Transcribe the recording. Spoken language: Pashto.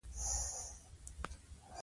د موسیقي زده کړه د شناخت لپاره مهمه ده.